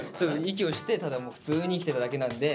息をしてただ普通に生きてただけなんで。